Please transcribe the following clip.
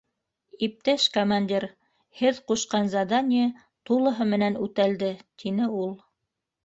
— Иптәш командир, һеҙ ҡушҡан задание тулыһы менән үтәлде, — тине ул.